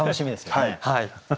はい。